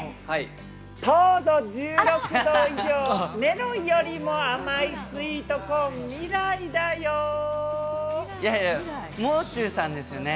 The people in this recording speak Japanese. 糖度１６度以上、メロンよりも甘いスイートコーン、いやいや、もう中さんですよね。